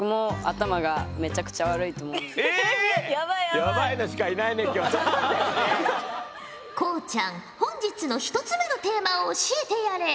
知能はないんですけどこうちゃん本日の１つ目のテーマを教えてやれ。